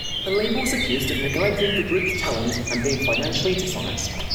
The label was accused of neglecting the group's talent and being financially dishonest.